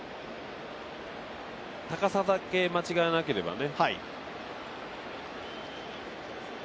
高さだけ間違えなければね。